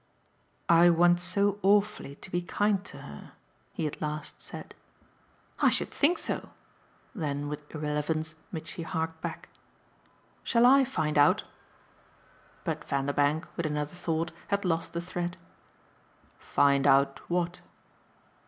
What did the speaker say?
"I want so awfully to be kind to her," he at last said. "I should think so!" Then with irrelevance Mitchy harked back. "Shall I find out?" But Vanderbank, with another thought, had lost the thread. "Find out what?"